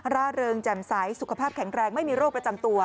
ร่าเริงแจ่มใสสุขภาพแข็งแรงไม่มีโรคประจำตัว